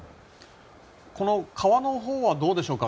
この川のほうはどうでしょうか。